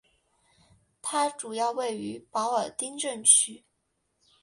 它主要位于保尔丁镇区。